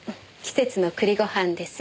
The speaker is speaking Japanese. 季節の栗ご飯です。